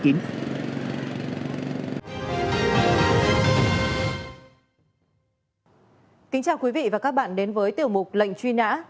kính chào quý vị và các bạn đến với tiểu mục lệnh truy nã